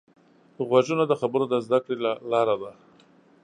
غوږونه د خبرو د زده کړې لاره ده